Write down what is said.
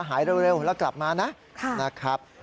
หายเร็วแล้วกลับมานะนะครับ